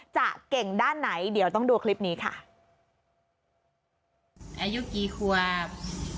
จะเก่งด้านไหนเดี๋ยวต้องดูคลิปนี้ค่ะอายุกี่ควบ